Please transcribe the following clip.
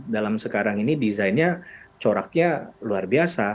dalam sekarang ini desainnya coraknya luar biasa